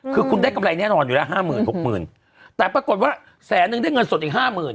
คือคุณได้กำไรแน่นอนอยู่ละ๕๐๐๐๐๖๐๐๐๐แต่ปรากฏว่าแสนนึงได้เงินสดอีก๕๐๐๐๐